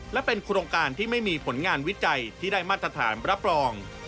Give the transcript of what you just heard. และเป็นโครงการที่ไม่มีผลงานวิจัยที่ได้มาตรฐานรับรอง